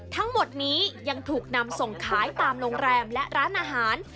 ทั้งหมดนี้ยังถูกนำส่งขายตามโรงแรมและร้านอาหาร